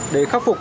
để khắc phục